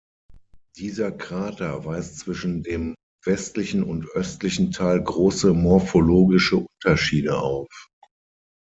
Dieser Krater weist zwischen dem westlichen und östlichen Teil große morphologische Unterschiede auf.